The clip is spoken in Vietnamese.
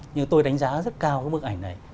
như tôi đánh giá rất cao cái bức ảnh này